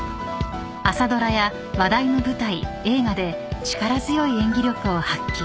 ［朝ドラや話題の舞台映画で力強い演技力を発揮］